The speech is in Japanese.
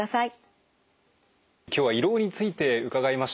今日は胃ろうについて伺いました。